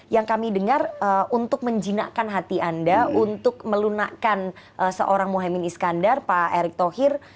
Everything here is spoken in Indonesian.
yang kami dengar untuk menjinakkan hati anda untuk melunakkan seorang mohaimin iskandar pak erick thohir